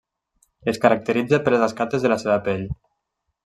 Es caracteritza per les escates de la seva pell.